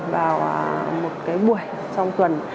vào một buổi trong tuần